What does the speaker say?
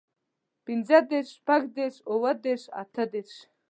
پينځهدېرش، شپږدېرش، اووهدېرش، اتهدېرش